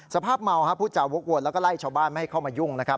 สภาพเมาผู้จาวกวนแล้วก็ไล่ชาวบ้านไม่ให้เข้ามายุ่งนะครับ